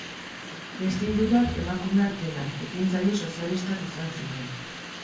Beste hirurak, emakumeak denak, ekintzaile sozialistak izan ziren.